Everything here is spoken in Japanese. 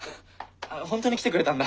本当に来てくれたんだ。